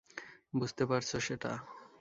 বুঝতে পারছো সেটা?